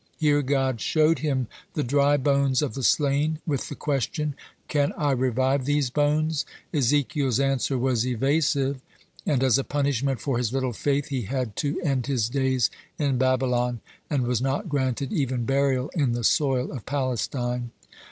Here God showed him the dry bones of the slain with the question: "Can I revive these bones?" Ezekiel's answer was evasive, and as a punishment for his little faith, he had to end his days in Babylon, and was not granted even burial in the soil of Palestine.